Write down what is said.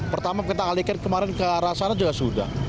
pertama kita alihkan kemarin ke arah sana juga sudah